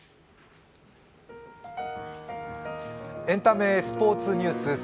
エンタメ、スポーツニュース。